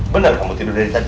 benar kamu tidur dari tadi